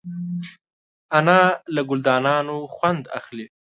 انا له ګلدانونو خوند اخلي